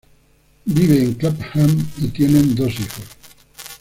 Viven en Clapham y tienen dos hijos.